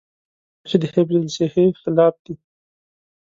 غوماشې د حفظالصحې خلاف دي.